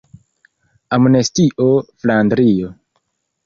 Amnestio Flandrio.